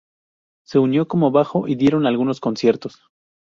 Se unió como bajo y dieron algunos conciertos.